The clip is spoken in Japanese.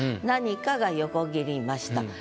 何かが横切りました。